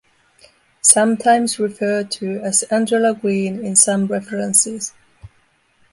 Sometimes referred to as Angela Greene in some references.